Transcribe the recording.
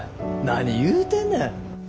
何言うてんねん。